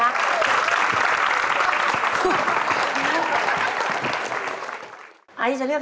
พี่จ๋อง